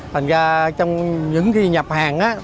thành ra trong những khi nhập hàng